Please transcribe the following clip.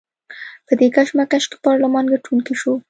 په دې کشمکش کې پارلمان ګټونکی شو.